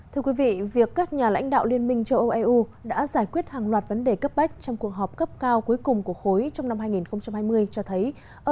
thưa quý vị việc các nhà lãnh đạo liên minh châu âu eu đã giải quyết hàng loạt vấn đề cấp bách trong cuộc họp cấp cao cuối cùng của khối trong năm hai nghìn hai mươi cho thấy